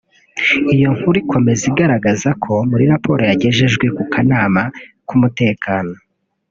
Iyo nkuru ikomeza igaragaza ko muri raporo yagejejwe ku kanama k’umutekano